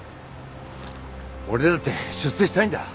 俺だって出世したいんだ。